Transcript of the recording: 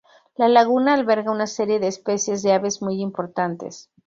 La laguna alberga una serie de especies de aves muy importantes.